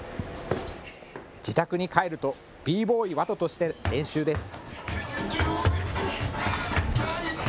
自宅に帰るとＢーＢＯＹ、ＷＡＴＯとして練習です。